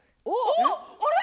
あれ⁉